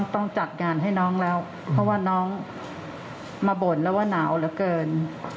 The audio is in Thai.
ต้องจัดงานให้น้องแล้วเพราะว่าน้องมาบ่นแล้วว่าหนาวเหลือเกิน